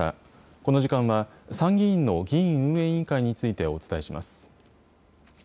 この時間は参議院の議院運営委員会についてお伝えします。